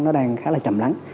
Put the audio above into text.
nó đang khá là chậm lắng